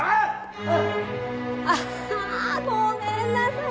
ああごめんなさい！